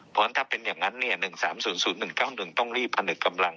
เพราะฉะนั้นถ้าเป็นอย่างนั้น๑๓๐๐๑๙๑ต้องรีบผนึกกำลัง